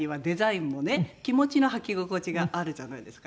気持ちの履き心地があるじゃないですか。